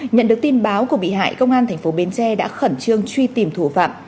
nhận được tin báo của bị hại công an tp bến tre đã khẩn trương truy tìm thủ phạm